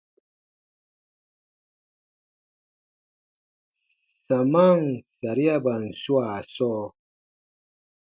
Samaan sariaban swaa sɔɔ.